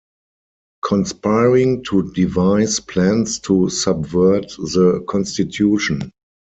Conspiring to devise plans to subvert the Constitution.